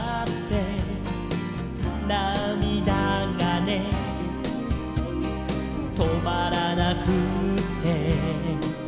「なみだがねとまらなくって」